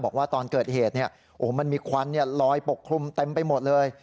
บอกว่าตอนเกิดเหตุมันมีควันลอยปกคลุมเต็มไปหมดเลย